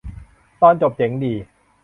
ตอนจบเจ๋งดี